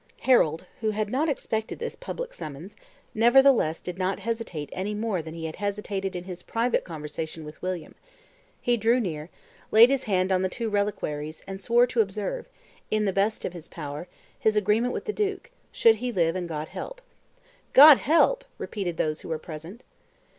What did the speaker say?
Harold, who had not expected this public summons, nevertheless did not hesitate any more than he had hesitated in his private conversation with William; he drew near, laid his hand on the two reliquaries, and swore to observe, to the best of his power, his agreement with the duke, should he live and God help. "God help!" repeated those who were present.